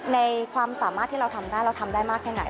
ในความสามารถที่เราทำได้เราทำได้มากแค่ไหน